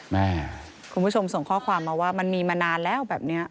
คุณผู้ชมส่งข้อความมาว่ามันมีมานานแล้วแบบนี้